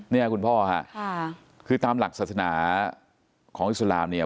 เนี่ยคุณพ่อค่ะคือตามหลักศาสนาของอิสลามเนี่ย